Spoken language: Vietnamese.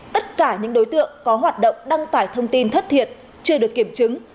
tất cả những đối tượng có hoạt động đăng tải thông tin thất thiệt chưa được kiểm chứng